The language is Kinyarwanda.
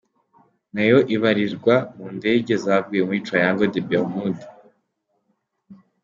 Nayo ibarirwa mu ndege zaguye muri Triangle des Bermude.